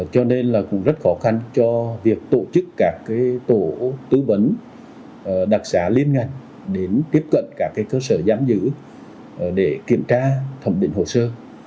cho nên là cũng rất khó khăn cho việc tổ chức các tổ tư vấn đặc xá liên ngành đến tiếp cận các cơ sở giam giữ để kiểm tra thẩm định hồ sơ